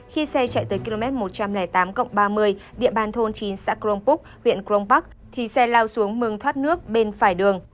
khi xe chạy tới km một trăm linh tám ba mươi địa bàn thôn chín xã krong búc huyện krong pak thì xe lao xuống mừng thoát nước bên phải đường